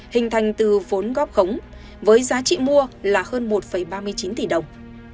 hình thành từ vốn góp khống với giá trị mua là hơn một ba mươi chín tỷ đồng